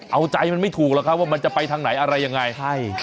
เอาใจมันไม่ถูกหรอกครับว่ามันจะไปทางไหนอะไรยังไงใช่